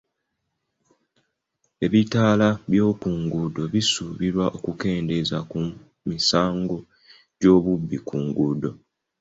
Ebitaala by'oku nguudo bisuubirwa okukendeeza ku misaango gy'obubbi ku nguudo.